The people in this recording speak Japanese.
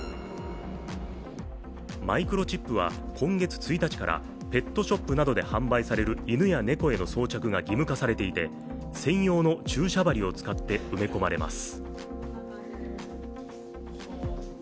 マイクロチップは今月１日からペットショップなどで販売される犬や猫への装着が義務化されていて専用の注射針を使って埋め込まれます。